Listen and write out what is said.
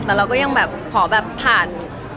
แต่เราก็ยังแบบขอแบบผ่าน